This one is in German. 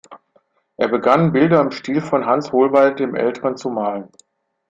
Er begann, Bilder im Stil von Hans Holbein dem Älteren zu malen.